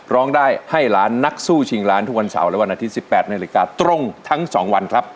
ร้องได้ให้ล้านนักสู้ชิงล้านทุกวันเสาร์และวันอาทิตย์๑๘นาฬิกาตรงทั้ง๒วันครับ